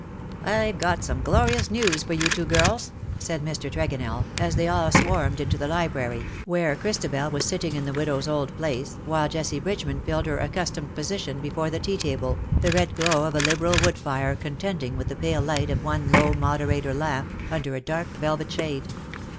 "Fve got some glorious news for you two girlsj" said Mr. Tregonell, as they all swarmed into the library, where Christabel was sitting in the widow's old place, while Jessie Bridgeman filled her accustomed posi tion before the tea table, the red glow of a liberal wood fire contending with the pale light of one low moderator lamp, under a dark velvet shade.